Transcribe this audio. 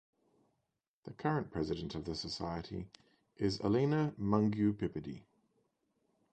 The current president of the Society is Alina Mungiu-Pippidi.